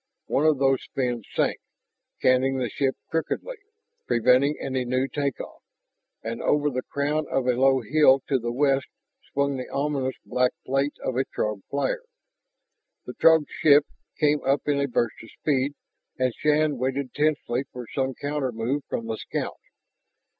One of those fins sank, canting the ship crookedly, preventing any new take off. And over the crown of a low hill to the west swung the ominous black plate of a Throg flyer. The Throg ship came up in a burst of speed, and Shann waited tensely for some countermove from the scout.